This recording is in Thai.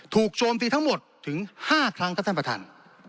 โจมตีทั้งหมดถึง๕ครั้งครับท่านประธาน